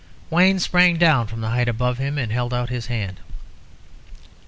Wayne sprang down from the height above him and held out his hand.